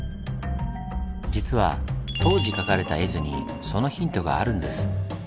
実は当時描かれた絵図にそのヒントがあるんです。